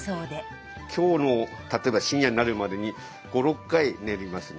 今日の例えば深夜になるまでに５６回練りますね。